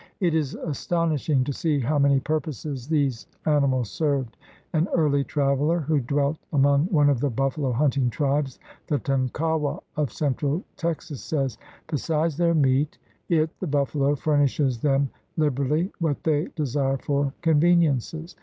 It is astonishing to see how many purposes these ani mals served. An early traveler who dwelt among one of the buffalo hunting tribes, the Tonkawa of central Texas, says: "Besides their meat it [the buffalo] furnishes them liberally what they de sire for conveniences.